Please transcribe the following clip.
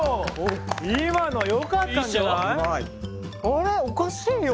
あれおかしいよ？